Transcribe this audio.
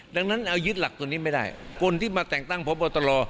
ดังนั้นเอายึดหลักตัวนี้ไม่ได้คนที่มาแต่งตั้งพบตร